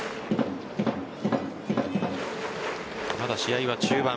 まだ試合は中盤。